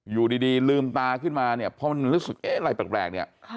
อยู่ดีลืมตาขึ้นมาเนี่ยเพราะมันรู้สึกเอ๊ะอะไรแปลกเนี่ย